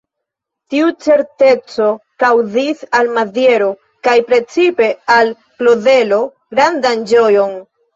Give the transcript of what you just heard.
Tiu certeco kaŭzis al Maziero kaj precipe al Klozelo grandan ĝojon.